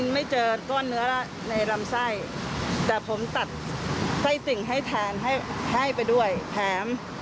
ไม่เจอก้อนเนื้อในลำไส้แต่ผมตัดไส้ติ่งให้แทนให้ให้ไปด้วยแถม